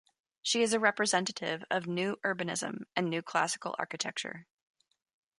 She is a representative of New Urbanism and New Classical Architecture.